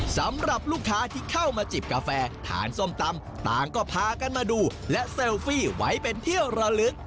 สำหรับลูกค้าที่เข้ามาจิบกาแฟทานส้มตำต่างก็พากันมาดูและเซลฟี่ไว้เป็นเที่ยวระลึก